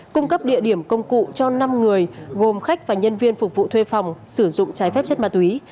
cung cấp địa điểm công cụ cho năm người gồm khách và nhân viên phục vụ thuê phòng sử dụng trái phép chất ma túy